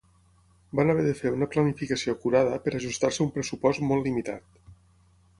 Van haver de fer una planificació acurada per ajustar-se a un pressupost molt limitat.